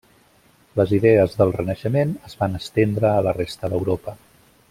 Les idees del renaixement es van estendre a la resta d'Europa.